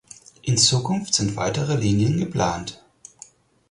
In Zukunft sind weitere Linien geplant.